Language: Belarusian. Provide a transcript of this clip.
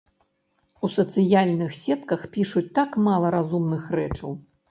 У сацыяльных сетках пішуць так мала разумных рэчаў.